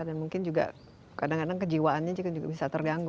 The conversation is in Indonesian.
dan mungkin juga kadang kadang kejiwaannya juga bisa terganggu